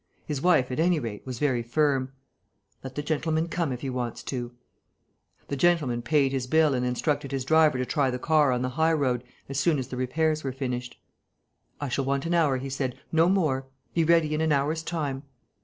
His wife, at any rate, was very firm: "Let the gentleman come, if he wants to." The gentleman paid his bill and instructed his driver to try the car on the high road as soon as the repairs were finished: "I shall want an hour," he said, "no more. Be ready in an hour's time."